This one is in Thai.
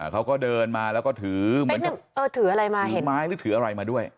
เขาก็เดินมาแล้วก็ถือถือไม้หรือถืออะไรมาด้วย